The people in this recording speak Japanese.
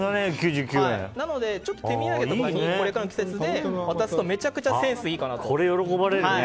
なので手土産とかにこれからの季節に渡すとめちゃくちゃセンスいいかなと。